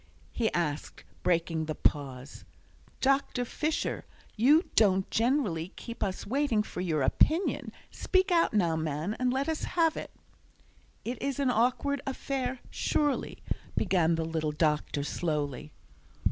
he asked, breaking the pause. "Dr. Fisher, you don't generally keep us waiting for your opinion. Speak out now, man, and let us have it." "It is an awkward affair, surely," began the little doctor, slowly.